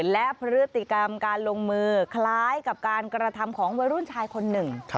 และพฤติกรรมการลงมือคล้ายกับการกระทำของวัยรุ่นชายคนหนึ่ง